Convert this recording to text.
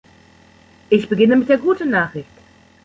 Ich beginne mit der guten Nachricht.